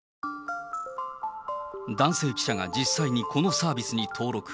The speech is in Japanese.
男性記者が実際にこのサービスに登録。